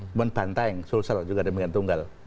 bukan banteng sulsel juga ada yang tunggal